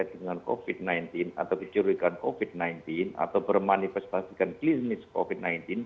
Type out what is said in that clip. dengan covid sembilan belas atau kecurigaan covid sembilan belas atau bermanifestasikan klinis covid sembilan belas